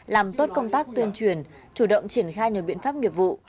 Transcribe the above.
làm tốt công tác tuyên truyền chủ động triển khai nhiều biện pháp nghiệp vụ